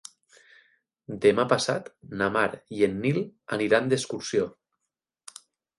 Demà passat na Mar i en Nil aniran d'excursió.